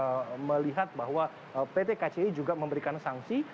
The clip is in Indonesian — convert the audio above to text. banyak kami melihat bahwa pt kci juga memberikan sanksi